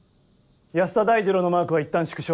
安田大二郎のマークはいったん縮小。